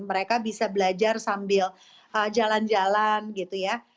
mereka bisa belajar sambil jalan jalan gitu ya